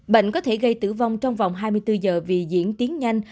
bệnh có thể gây tử vong trong vòng hai mươi bốn giờ vì diễn tiến nhanh